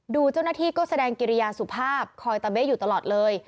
เจ้าหน้าที่ก็แสดงกิริยาสุภาพคอยตะเบ๊ะอยู่ตลอดเลย